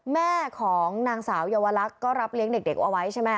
แม่ของนางสาวเยาวลักษณ์ก็รับเลี้ยงเด็กเอาไว้ใช่ไหม